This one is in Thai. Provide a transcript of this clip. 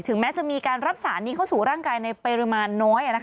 แม้จะมีการรับสารนี้เข้าสู่ร่างกายในปริมาณน้อย